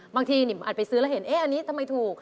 บางทีอาจไปซื้อแล้วเห็นเอ๊ะอันนี้ทำไมถูก